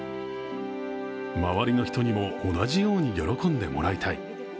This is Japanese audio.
周りの人にも同じように喜んでもらいたい。